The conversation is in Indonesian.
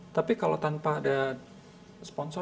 tapi kalau tanpa ada sponsor